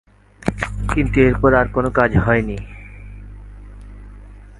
কিন্তু এরপর আর কোনো কাজ হয়নি।